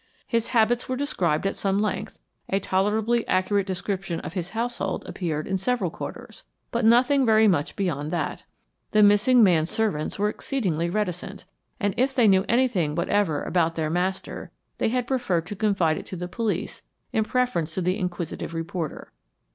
His habits were described at some length, a tolerably accurate description of his household appeared in several quarters; but nothing very much beyond that. The missing man's servants were exceedingly reticent, and if they knew anything whatever about their master they had preferred to confide it to the police in preference to the inquisitive reporter.